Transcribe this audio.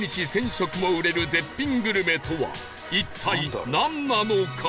食も売れる絶品グルメとは一体なんなのか？